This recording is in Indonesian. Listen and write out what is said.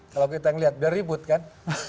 kalau kita lihat beribut kan